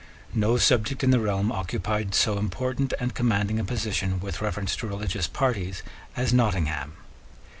No subject in the realm occupied so important and commanding a position with reference to religious parties as Nottingham.